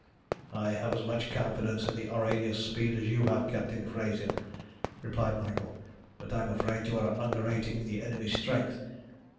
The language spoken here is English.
"I have as much confidence in the Aurania's speed as you have, Captain Frazer," replied Michael, "but I'm afraid you are underrating the enemy's strength.